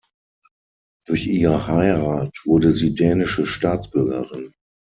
Durch ihre Heirat wurde sie dänische Staatsbürgerin.